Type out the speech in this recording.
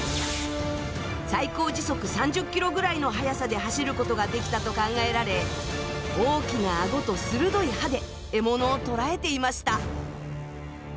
最高時速３０ｋｍぐらいの速さで走ることができたと考えられ大きな顎と鋭い歯で獲物を捕らえていました。